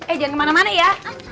eh jangan ke mana mana ya